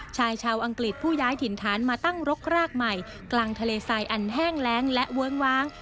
ชายชาวอังกฤษผู้ย้ายถิ่นฐานมาตั้งรกรากใหม่กลางทะเลทรายอันแห้งแรงและเวิ้งว้าง